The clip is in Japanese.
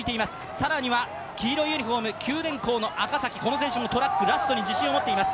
更には黄色いユニフォーム九電工の赤崎この選手もトラック、ラストに自信を持っています。